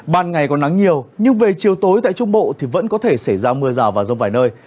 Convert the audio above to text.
ban ngày có nắng nhiều nhưng về chiều tối tại trung bộ thì vẫn có thể xảy ra mưa rào và rông vài nơi